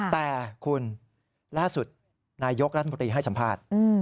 แต่คุณล่าสุดนายกรัฐมนตรีให้สัมภาษณ์